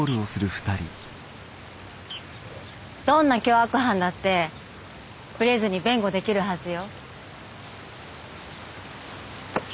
どんな凶悪犯だってぶれずに弁護できるはずよ。